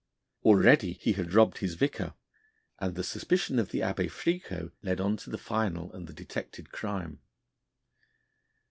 Already he had robbed his vicar, and the suspicion of the Abbé Fricot led on to the final and the detected crime.